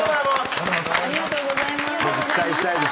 ありがとうございます。